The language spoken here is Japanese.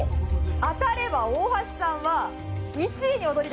当たれば大橋さんは１位に躍り出ます。